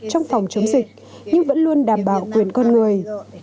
trong phòng chống dịch nhưng vẫn luôn đảm bảo quyền con người